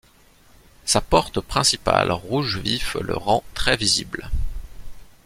Sa porte principale rouge vif le rend très visible.